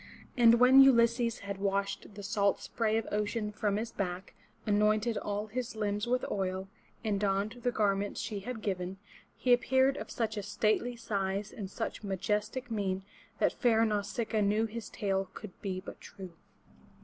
And when Ulysses had washed the salt spray of ocean from his back, anointed all his limbs with oil, and donned the garments she had given, he appeared of such a stately size and such majestic mien that fair Nau sic'a a knew his tale could but be true.